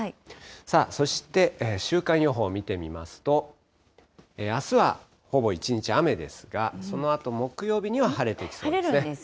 さあ、そして週間予報見てみますと、あすはほぼ一日雨ですが、そのあと木曜日には晴れてきそうですね。